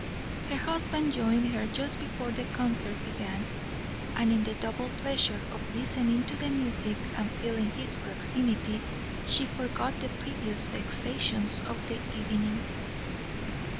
Her husband joined her just before the concert began, and in the double pleasure of listening to the music and feeling his proximity, she forgot the previous vexations of the evening.